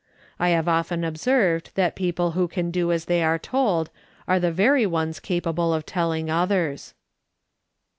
I have often observed that people who can do as they are told, are the only ones capable of telling others."